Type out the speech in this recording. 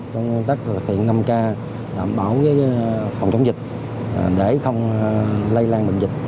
trong nguyên tắc là thực hiện năm k đảm bảo phòng chống dịch để không lây lan bệnh dịch